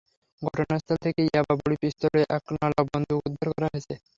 ঘটনাস্থল থেকে ইয়াবা বড়ি, পিস্তল ও একনলা বন্দুক উদ্ধার করা হয়েছে।